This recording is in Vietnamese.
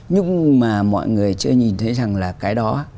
nhưng mà mọi người chưa nhìn thấy rằng là cái đó